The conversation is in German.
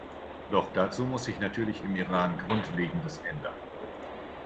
Doch dazu muss sich natürlich im Iran Grundlegendes ändern.